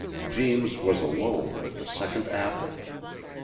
Jeems was alone with the second apple!